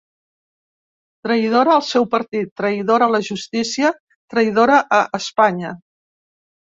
Traïdora al seu partit, traïdora a la justícia, traïdora a Espanya.